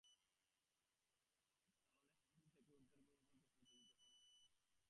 তাহলে আমিও নিজেকে উদ্ধারকর্মী বলে পরিচয় দিতে পারবো।